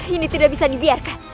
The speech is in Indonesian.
ini tidak bisa dibiarkan